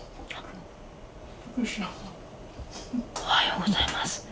おはようございます。